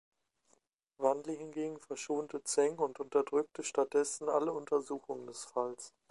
Wanli hingegen verschonte Zheng und unterdrückte stattdessen alle Untersuchungen des Falls.